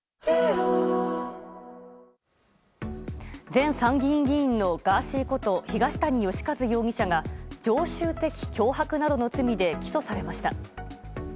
前参議院議員のガーシーこと東谷義和容疑者が常習的脅迫などの罪で起訴されました。